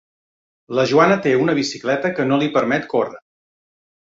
La Joana té una bicicleta que no li permet córrer.